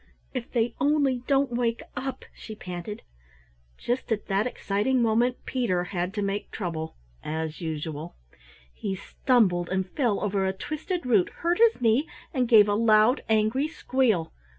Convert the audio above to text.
"If they only don't wake up!" she panted. Just at that exciting moment Peter had to make trouble as usual. He stumbled and fell over a twisted root, hurt his knee, and gave a loud angry squeal.